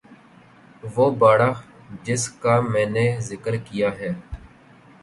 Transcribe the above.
وہ باڑہ جس کا میں نے ذکر کیا ہے